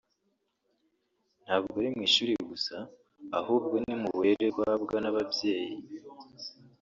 ntabwo ari mu ishuri gusa ahubwo ni mu burere uhabwa n’ababyeyi